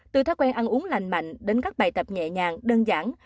từ thói quen ăn uống lành mạnh đến các bài tập nhẹ nhàng đơn giản